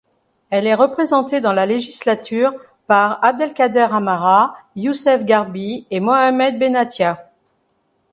Elle est représentée dans la législature par Abdelkader Amara, Youssef Gharbi et Mohammed Benattia.